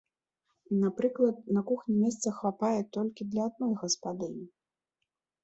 Напрыклад, на кухні месца хапае толькі для адной гаспадыні.